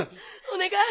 お願い。